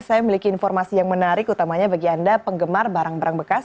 saya memiliki informasi yang menarik utamanya bagi anda penggemar barang barang bekas